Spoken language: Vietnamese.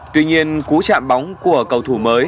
tuy nhiên cú trạm bóng của cầu thủ mới